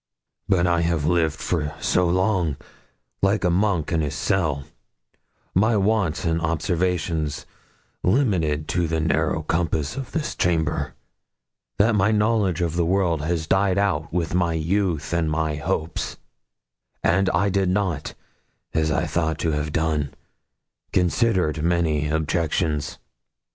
But I have lived for so long like a monk in his cell, my wants and observation limited to the narrow compass of this chamber, that my knowledge of the world has died out with my youth and my hopes: and I did not, as I ought to have done, consider many objections.